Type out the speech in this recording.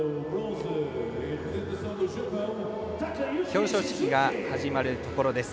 表彰式が始まるところです。